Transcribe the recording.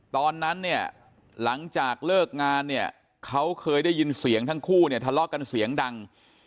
ตอนนั้นเนี่ยหลังจากเลิกงานเนี่ยเขาเคยได้ยินเสียงทั้งคู่เนี่ยทะเลาะกันเสียงดัง